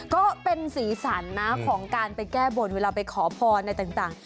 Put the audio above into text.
ก็เป็นสีสันนะของการไปแก้บนเวลาไปขอพรอะไรต่าง